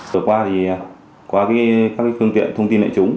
hồi qua thì qua các thương tiện thông tin lệ trúng